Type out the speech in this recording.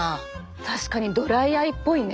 確かにドライアイっぽいね。